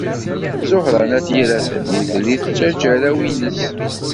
Ẓuhṛa n At Yiraten ur telli tettajja arraw-nnes.